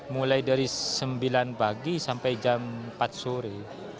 mulai dari sembilan pagi sampai jam empat sore